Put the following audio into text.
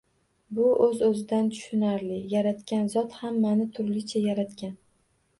Bu o‘z-o‘zidan tushunarli — Yaratgan Zot hammani turlicha yaratgan.